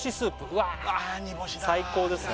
うわ最高ですね